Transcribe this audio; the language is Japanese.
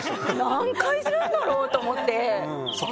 何回するんだろうと思って。